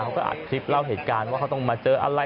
เขาก็อัดคลิปเล่าเหตุการณ์ว่าเขาต้องมาเจออะไร